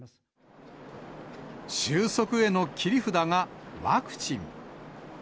収束への切り札がワクチン。